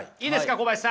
小林さん！